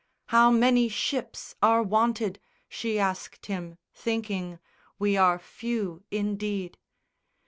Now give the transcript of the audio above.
"How many ships are wanted?" She asked him, thinking "we are few, indeed!"